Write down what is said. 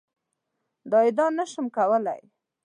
دا ادعا نه شم کولای.